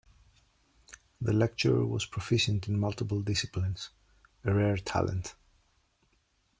The lecturer was proficient in multiple disciplines, a rare talent.